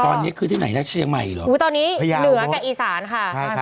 ตอนนี้คือที่ไหนนะเชียงใหม่เหรอตอนนี้เหนือกับอีสานค่ะ